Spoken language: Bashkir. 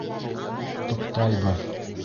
Туҡтайбыҙ.